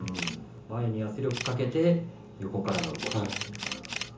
前に圧力をかけて横からの動き。